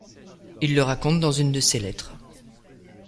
Il le raconte dans une de ses lettres.